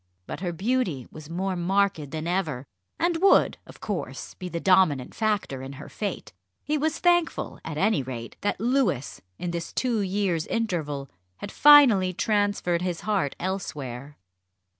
But her beauty was more marked than ever, and would, of course, be the dominant factor in her fate. He was thankful, at any rate, that Louis in this two years' interval had finally transferred his heart elsewhere.